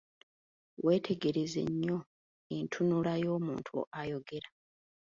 Weetegereze nnyo entunula y'omuntu ayogera.